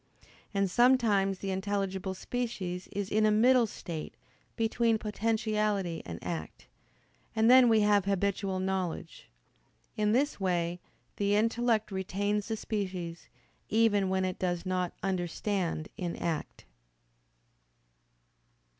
And sometimes the intelligible species is in a middle state, between potentiality and act: and then we have habitual knowledge. In this way the intellect retains the species, even when it does not understand in act.